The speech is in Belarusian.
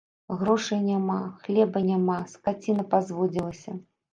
Грошай няма, хлеба няма, скаціна пазводзілася.